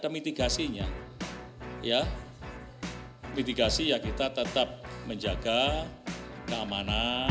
mitigasinya ya mitigasi ya kita tetap menjaga keamanan